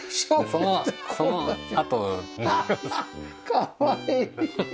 かわいい！